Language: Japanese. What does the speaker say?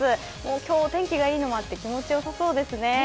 今日は天気がいいのもあって気持ちよさそうですね。